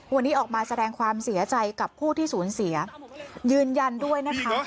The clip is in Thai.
วันนี้ออกมาแสดงความเสียใจกับผู้ที่สูญเสียยืนยันด้วยนะคะ